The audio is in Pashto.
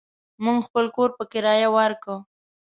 مو خپل کور په کريه وارکه.